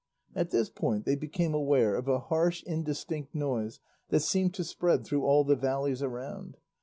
At this point they became aware of a harsh indistinct noise that seemed to spread through all the valleys around.